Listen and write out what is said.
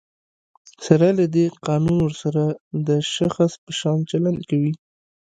سره له دی، قانون ورسره د شخص په شان چلند کوي.